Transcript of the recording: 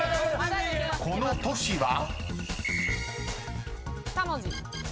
［この都市は？］